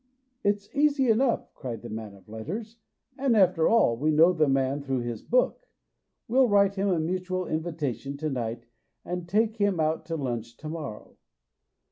"It's easy enough," cried the man of letters, " and after all we know the man through his book. We'll write him a mutual invitation to night, and take him out to lunch to morrow."